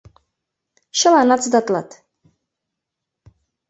— Чыланат сдатлат.